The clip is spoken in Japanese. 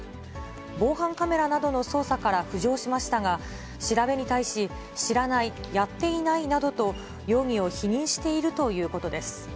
防犯カメラなどの捜査から浮上しましたが、調べに対し、知らない、やっていないなどと容疑を否認しているということです。